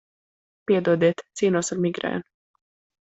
Piedodiet, cīnos ar migrēnu.